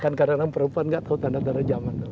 kan kadang kadang perempuan gak tahu tanda tanda zaman